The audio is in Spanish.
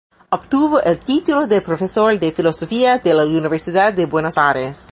Obtuvo el título de Profesor de Filosofía de la Universidad de Buenos Aires.